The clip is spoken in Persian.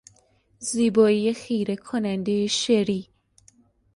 زیبایی خیره کنندهی شری